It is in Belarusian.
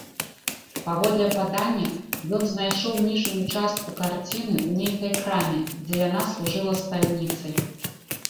Паводле падання, ён знайшоў ніжнюю частку карціны ў нейкай краме, дзе яна служыла стальніцай.